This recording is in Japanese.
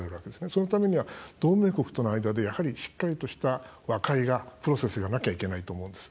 そのためには同盟国との間でやはり、しっかりとした和解がプロセスがなきゃいけないと思うんです。